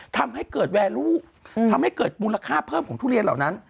ทำให้เกิดแวร์ลูกทำให้เกิดมูลค่าเพิ่มของทุเรียนเหล่านั้น